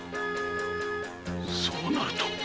そうなると！